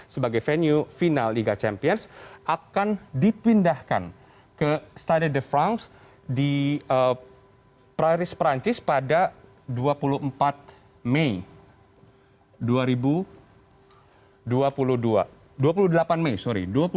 sebagai venue final liga champions akan dipindahkan ke stade de france di paris perancis pada dua puluh empat mei dua ribu dua puluh dua